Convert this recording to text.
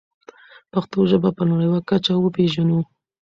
پښتو ژبه په نړیواله کچه وپېژنو.